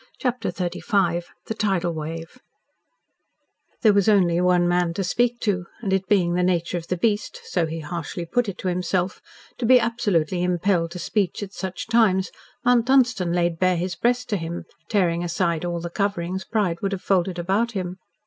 CHAPTER XXXV THE TIDAL WAVE There was only one man to speak to, and it being the nature of the beast so he harshly put it to himself to be absolutely impelled to speech at such times, Mount Dunstan laid bare his breast to him, tearing aside all the coverings pride would have folded about him.